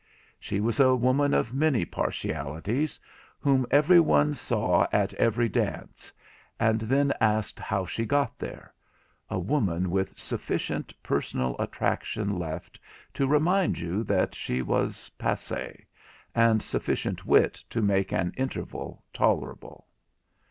She was a woman of many partialities, whom every one saw at every dance, and then asked how she got there—a woman with sufficient personal attraction left to remind you that she was passée, and sufficient wit to make an interval tolerable.